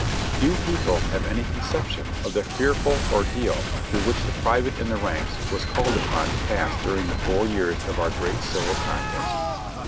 Few people have any conception of the fearful ordeal through which the private in the ranks was called upon to pass during the four years of our great civil contest.